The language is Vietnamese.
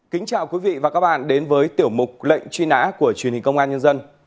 kính chào quý vị và các bạn đến với tiểu mục lệnh truy nã của truyền hình công an nhân dân